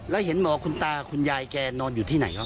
แล้วเห็นหมอคุณตาคุณยายแกนอนอยู่ที่ไหนครับ